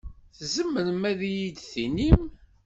Tzemrem ad yi-d-tinim?